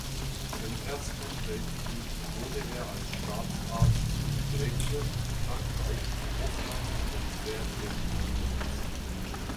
Im Ersten Weltkrieg wurde er als Stabsarzt in Belgien, Frankreich, Russland und Serbien eingesetzt.